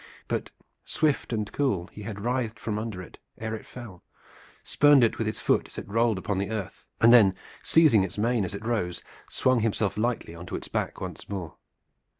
But, swift and cool, he had writhed from under it ere it fell, spurned it with his foot as it rolled upon the earth, and then seizing its mane as it rose swung himself lightly on to its back once more.